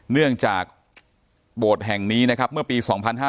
เนื่องจากโบสถ์แห่งนี้นะครับเมื่อปี๒๕๕๙